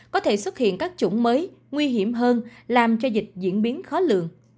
có thể xuất hiện các chủng mới nguy hiểm hơn làm cho dịch diễn biến khó lường